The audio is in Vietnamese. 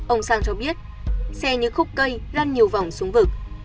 ông sang cho biết xe như khúc cây lăn nhiều vòng xuống vực